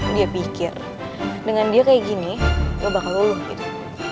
dia pikir dengan dia kayak gini gue bakal luluh gitu